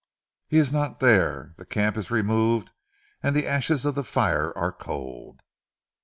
He is not dere, ze camp is remove, an' ze ashes of ze fire are cold.